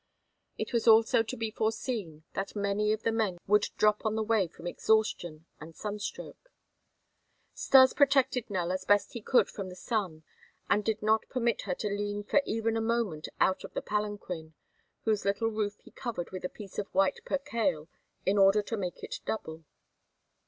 It was also to be foreseen that many of the men would drop on the way from exhaustion and sunstroke. Stas protected Nell as best he could from the sun and did not permit her to lean for even a moment out of the palanquin, whose little roof he covered with a piece of white percale in order to make it double.